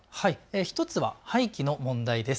１つは廃棄の問題です。